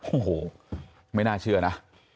โอ้โหไม่น่าเชื่อนะ